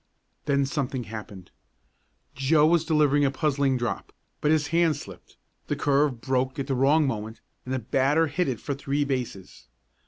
Then something happened. Joe was delivering a puzzling drop, but his hand slipped, the curve broke at the wrong moment and the batter hit it for three bases.